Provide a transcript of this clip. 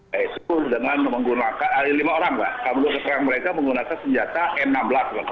ya itu dengan menggunakan ada lima orang pak yang menunggu keserangan mereka menggunakan senjata m enam belas